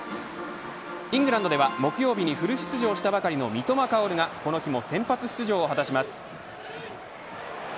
イングランドでは木曜日にフル出場したばかりの三笘薫がこの日も先発出場を果たします。